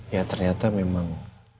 ya ternyata memang